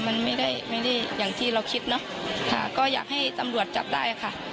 มันไม่ได้ไม่ได้อย่างที่เราคิดเนอะค่ะก็อยากให้ตำรวจจับได้ค่ะ